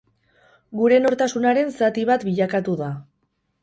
Gure nortasunaren zati bat bilakatu da.